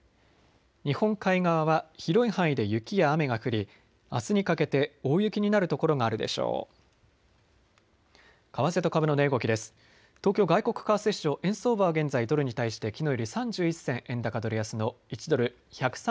日本海側は広い範囲で雪や雨が降りあすにかけて大雪になる所があるでしょう。